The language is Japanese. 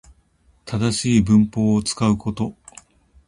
正しい文法を使うこと